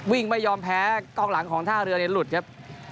วิ่งไปยอมแพ้กล้องหลังของท่าเรือในหลุดครับ